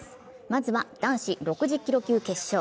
まずは男子６０キロ級決勝。